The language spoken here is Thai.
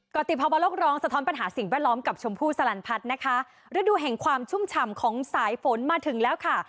ติภาวะโลกร้องสะท้อนปัญหาสิ่งแวดล้อมกับชมพู่สลันพัฒน์นะคะฤดูแห่งความชุ่มฉ่ำของสายฝนมาถึงแล้วค่ะ